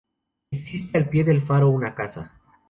Existe al pie del faro una casa.